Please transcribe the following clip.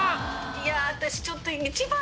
いや私ちょっと一番ね